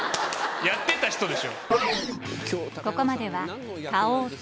やってた人でしょ。